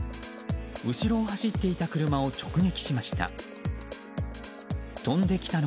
後ろを走っていた車を直撃しました。